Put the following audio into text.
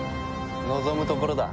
望むところだ。